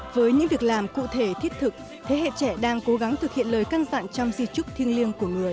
với những việc làm cụ thể thiết thực thế hệ trẻ đang cố gắng thực hiện lời căn dặn trong di trúc thiêng liêng của người